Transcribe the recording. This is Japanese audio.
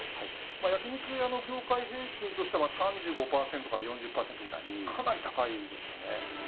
焼肉屋の業界平均としては３５％４０％ぐらいかなり高いですよね